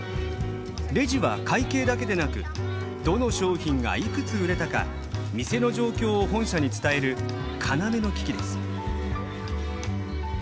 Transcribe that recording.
レジは会計だけでなくどの商品がいくつ売れたか店の状況を本社に伝える要の機器です。